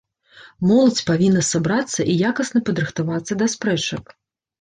Моладзь павінна сабрацца і якасна падрыхтавацца да спрэчак.